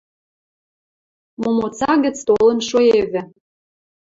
Момоца гӹц толын шоэвӹ.